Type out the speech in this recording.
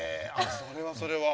それはそれは。